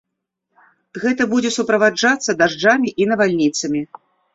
Гэта будзе суправаджацца дажджамі і навальніцамі.